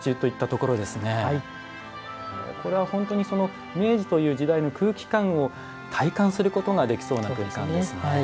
これは本当に明治という時代の空気感を体感することができそうな空間ですね。